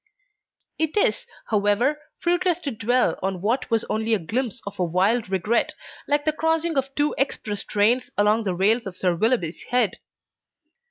It is, however, fruitless to dwell on what was only a glimpse of a wild regret, like the crossing of two express trains along the rails in Sir Willoughby's head.